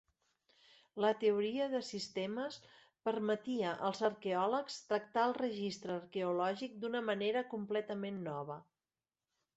La teoria de sistemes permetia als arqueòlegs tractar el registre arqueològic d'una manera completament nova.